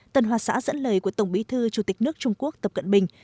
tân hoa xã dẫn lời của tổng bí thư chủ tịch nước trung quốc tập cận bình